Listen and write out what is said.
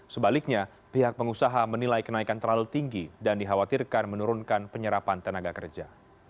sebaliknya pihak pengusaha menilai kenaikan terlalu tinggi dan dikhawatirkan menurunkan penyerapan tenaga kerja